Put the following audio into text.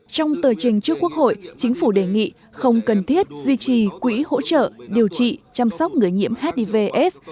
trong tờ trình trước quốc hội chính phủ đề nghị không cần thiết duy trì quỹ hỗ trợ điều trị chăm sóc người nhiễm hivs